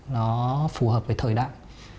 nó phù hợp với thời đại